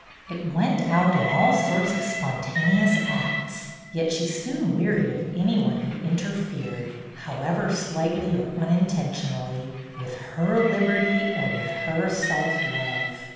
It went out in all sorts of spontaneous acts; yet she soon wearied of any one who interfered, however slightly or unintentionally, with her liberty or with her self love.